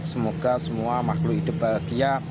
semoga semua makhluk hidup bahagia